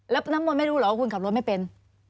แล้วน้ำมนต์ไม่รู้เหรอว่าคุณขับรถไม่เป็น